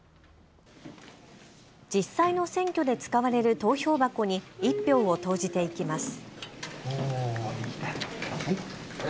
実際の選挙で使われる投票箱に１票を投じていきます。